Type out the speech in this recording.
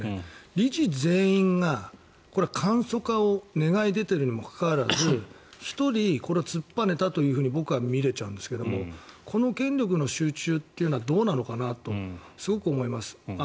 理事全員が簡素化を願い出ているにもかかわらず１人、突っぱねたというふうに僕は見れちゃうんですけどこの権力の集中というのはどうなのかなとすごく思います。